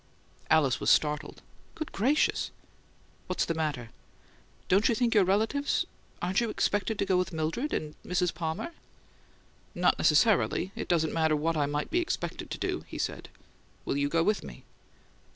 Alice was startled. "Good gracious!" "What's the matter?" "Don't you think your relatives Aren't you expected to go with Mildred and Mrs. Palmer?" "Not necessarily. It doesn't matter what I might be expected to do," he said. "Will you go with me?"